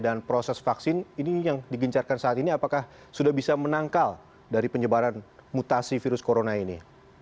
dan proses vaksin ini yang digincarkan saat ini apakah sudah bisa menangkal dari penyebaran mutasi virus corona ini